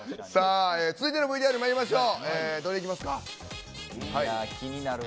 続いてのＶＴＲまいりましょう。